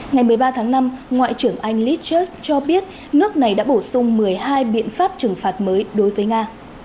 ngày một mươi ba tháng năm ngoại trưởng anh lith just cho biết nước này đã bổ sung một mươi hai biện pháp trừng phạt mới đối với nga